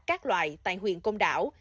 các loại tại huyện công đảo